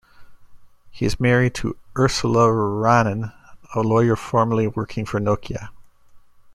He is married to Ursula Ranin, a lawyer formerly working for Nokia.